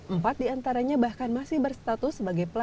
empat diantaranya bahkan masih berstatus sebagai pelaku